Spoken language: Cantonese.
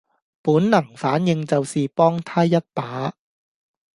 本能反應就是幫她一把